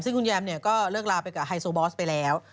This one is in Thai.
ซึ่งคุณแยมเนี่ยก็เลิกลาไปกับไฮโซบอสไปแล้ว